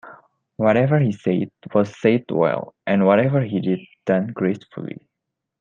Whatever he said, was said well; and whatever he did, done gracefully.